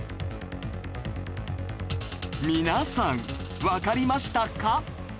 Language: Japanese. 皆さんわかりましたか？